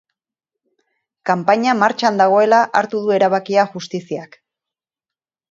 Kanpaina martxan dagoela hartu du erabakia justiziak.